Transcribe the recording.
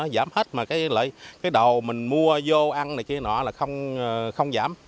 giảm hết mà cái đồ mình mua vô ăn này kia nọ là không giảm